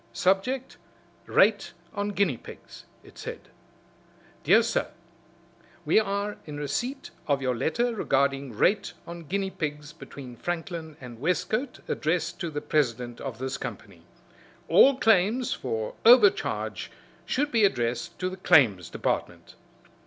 "Subject Rate on guinea pigs," it said, "Dr. Sir We are in receipt of your letter regarding rate on guinea pigs between Franklin and Westcote addressed to the president of this company. All claims for overcharge should be addressed to the Claims Department."